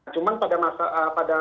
cuman pada masalahnya